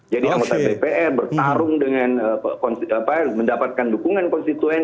jadi anggota dpr bertarung dengan mendapatkan dukungan konstituen